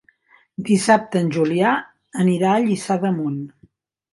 Dissabte en Julià anirà a Lliçà d'Amunt.